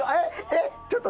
えっ？